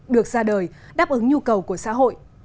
được ra đời đáp ứng nhu cầu của xã hội